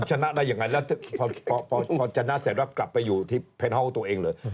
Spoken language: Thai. ชนะได้อย่างไรพอชนะสรรพกลับไปอยู่ที่แพนเฮาตัวเองเลย